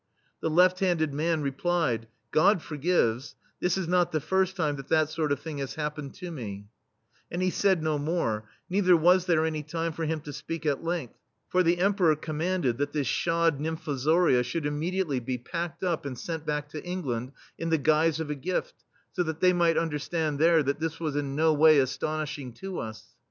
The left handed man replied :" God forgives* — this is not the first time that that sort of thing has happened to me. And he said no more, neither was there any time for him to speak at length, for the Emperor commanded * The genuine Russian form of saying, I forgive you." THE STEEL FLEA that this shod nymfozoria should im mediately be packed up and sent back to England, in the guise of a gift, so that they might understand there that this was in no way astonishing to us.